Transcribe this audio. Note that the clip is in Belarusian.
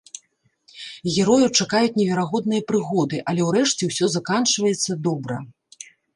Герояў чакаюць неверагодныя прыгоды, але ўрэшце ўсё заканчваецца добра.